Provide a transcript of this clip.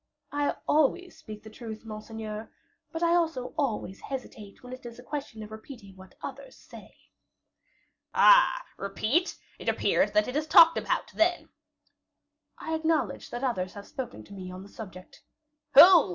"I always speak the truth, monseigneur; but I also always hesitate when it is a question of repeating what others say." "Ah! repeat? It appears that it is talked about, then?" "I acknowledge that others have spoken to me on the subject." "Who?"